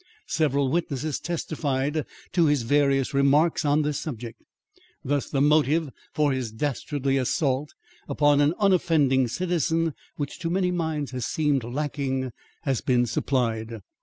Several witnesses testified to his various remarks on this subject. Thus the motive for his dastardly assault upon an unoffending citizen, which to many minds has seemed lacking, has been supplied.